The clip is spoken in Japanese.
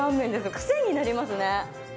クセになりますね。